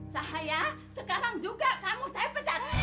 cahaya sekarang juga kamu saya pecat